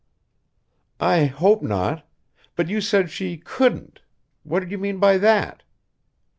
"I hope not; but you said she couldn't. What did you mean by that?"